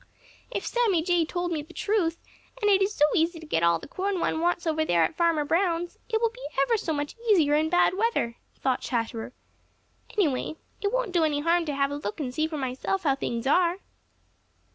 "If Sammy Jay told me the truth, and it is so easy to get all the corn one wants over there at Farmer Brown's, it will be ever so much easier in bad weather," thought Chatterer. "Anyway, it won't do any harm to have a look and see for myself how things are."